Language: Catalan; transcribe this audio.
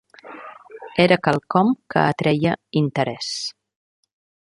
Era quelcom que atreia interès.